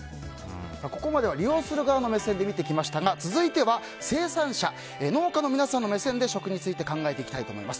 ここまでは利用する側の目線で見てきましたが続いては生産者、農家の皆さんの目線で食について考えていきたいと思います。